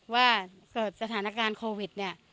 ว่าเกิดสถานการณ์โควิดเนี่ย